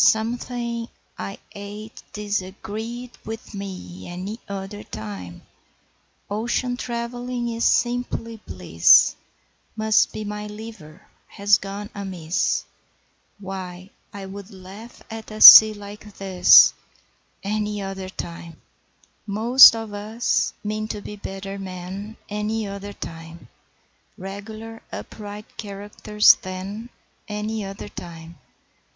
'Something .. I ate .. disagreed .. with me! Any other time Ocean trav'lling is .. simply bliss, Must be my .. liver .. has gone amiss .. Why, I would .. laugh .. at a sea .. like this Any other time.' ..... Most of us mean to be better men Any other time: Regular upright characters then Any other time.